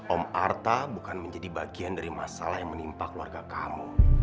om artha bukan menjadi bagian dari masalah yang menimpa keluarga kamu